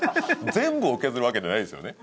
全部を削るわけじゃないんですよね？